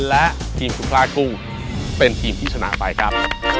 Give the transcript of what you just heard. และทีมสุพลากุ้งเป็นทีมที่ชนะไปครับ